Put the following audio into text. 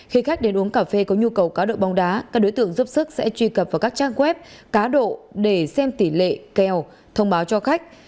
khi khách đến uống cà phê có nhu cầu cá độ bóng đá các đối tượng giúp sức sẽ truy cập vào các trang web cá độ để xem tỷ lệ kèo thông báo cho khách